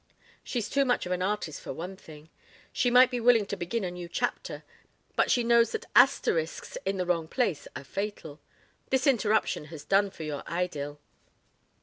She's too much of an artist for one thing. She might be willing to begin a new chapter, but she knows that asterisks in the wrong place are fatal. This interruption has done for your idyl!"